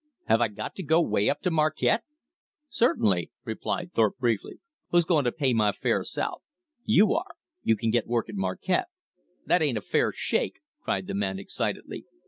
"Have I got to go 'way up to Marquette?" "Certainly," replied Thorpe briefly. "Who's going to pay my fare south?" "You are. You can get work at Marquette." "That ain't a fair shake," cried the man excitedly.